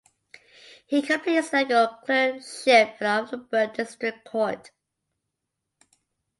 He completed his legal clerkship at the Offenburg District Court.